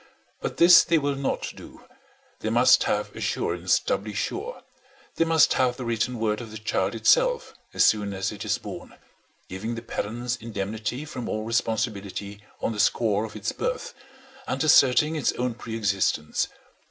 But this they will not do; they must have assurance doubly sure; they must have the written word of the child itself as soon as it is born, giving the parents indemnity from all responsibility on the score of its birth, and asserting its own pre existence.